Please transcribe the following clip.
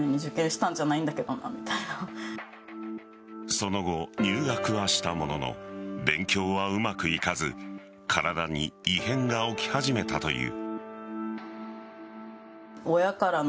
その後、入学はしたものの勉強はうまくいかず体に異変が起き始めたという。